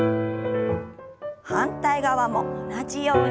反対側も同じように。